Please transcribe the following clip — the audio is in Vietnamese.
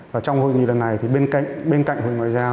và trong hội nghị lần này bên cạnh hội nghị ngoại giao